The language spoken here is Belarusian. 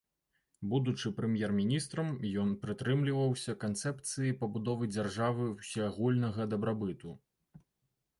Будучы прэм'ер-міністрам, ён прытрымліваўся канцэпцыі пабудовы дзяржавы ўсеагульнага дабрабыту.